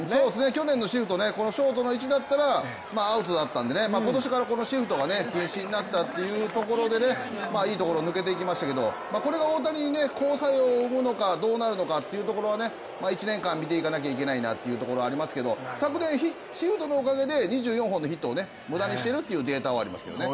去年のシフト、ショートの位置だったらアウトだったので、今年からこのシフトが禁止になったというところでいいところ抜けていきましたけどこれが大谷に好作用を生むのかどうかは１年間、見ていかないといけないところはありますけど昨年シフトのおかげで２４本のヒットを無駄にしてるっていうデータはありますけどね。